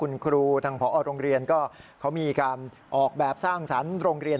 คุณครูทางพอโรงเรียนก็เขามีการออกแบบสร้างสรรค์โรงเรียน